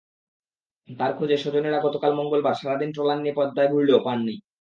তাঁর খোঁজে স্বজনেরা গতকাল মঙ্গলবার সারা দিন ট্রলার নিয়ে পদ্মায় ঘুরলেও পাননি।